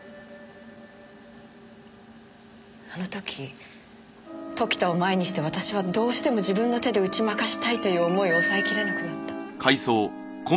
あの時時田を前にして私はどうしても自分の手で打ち負かしたいという思いを抑えきれなくなった。